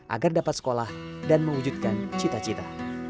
agar dapat sekolah dan mewujudkan cita cita